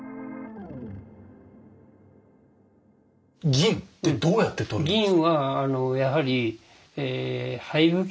銀ってどうやって採るんですか？